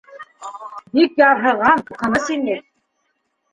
Бик ярһыған, ҡурҡыныс ине.